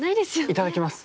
いただきます。